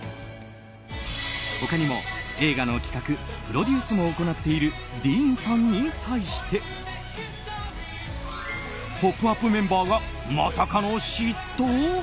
他にも映画の企画、プロデュースも行っているディーンさんに対して「ポップＵＰ！」メンバーがまさかの嫉妬？